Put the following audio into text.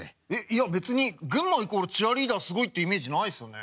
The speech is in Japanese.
いや別に群馬イコールチアリーダーすごいってイメージないですよね。